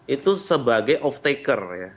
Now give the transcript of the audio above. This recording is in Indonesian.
itu sebagai off taker ya